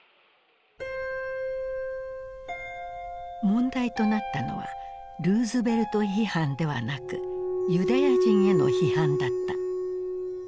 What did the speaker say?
問題となったのはルーズベルト批判ではなくユダヤ人への批判だった。